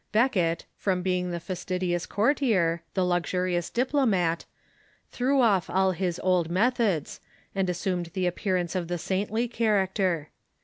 Becket, from being the fastidious courtier, the luxurious diplomat, threw off all his old methods, and assumed the appearance of the saintly character.